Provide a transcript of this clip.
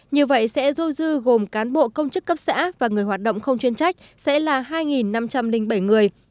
như vậy sẽ dôi dư gồm cán bộ công chức cấp xã và người hoạt động không chuyên trách sẽ là hai năm trăm linh bảy người